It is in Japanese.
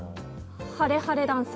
晴れ晴れダンス。